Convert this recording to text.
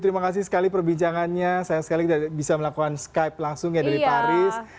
terima kasih banyak banyak untuk perbincangannya saya sekali bisa melakukan skype langsung ya dari paris